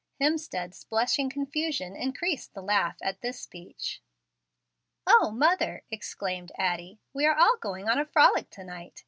Hemstead's blushing confusion increased the laugh at this speech. "O, mother," exclaimed Addie, "we are all going on a frolic to night.